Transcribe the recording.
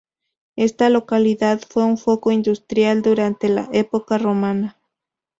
Esta localidad fue un foco industrial durante la Época Romana.